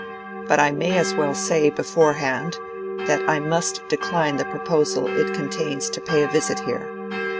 "But I may as well say beforehand, that I must decline the proposal it contains to pay a visit here.